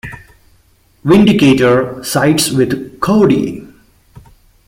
Vindicator sides with Cody.